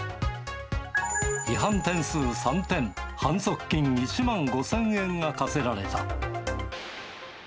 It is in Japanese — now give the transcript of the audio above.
違反点数３点、反則金１万５０００円が科せられた。